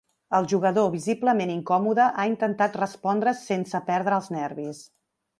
El jugador, visiblement incòmode, ha intentat respondre sense perdre els nervis.